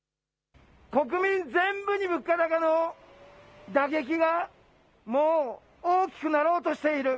国民全部に物価高の打撃がもう大きくなろうとしている。